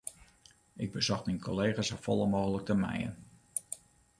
Ik besocht myn kollega's safolle mooglik te mijen.